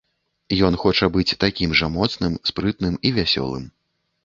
Ён хоча быць такім жа моцным, спрытным і вясёлым.